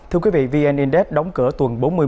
thưa quý vị vn index đóng cửa tuần bốn mươi